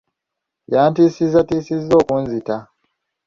Yantiisatiisizza okunzita.